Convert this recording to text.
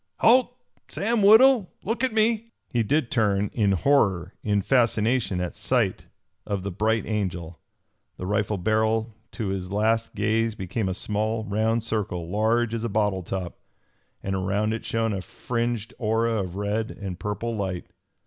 "Halt! Sam Woodhull, look at me!" He did turn, in horror, in fascination at sight of the Bright Angel. The rifle barrel to his last gaze became a small, round circle, large as a bottle top, and around it shone a fringed aura of red and purple light.